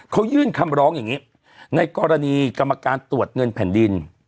เขายื่นคำร้องอย่างนี้ในกรณีกรรมการตรวจเงินแผ่นดิน